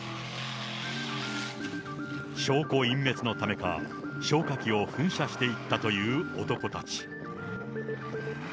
証拠隠滅のためか、消火器を噴射していったという男たち。